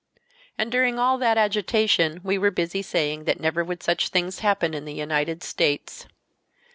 And during all that agitation we were busy saying that never would such things happen in the United States.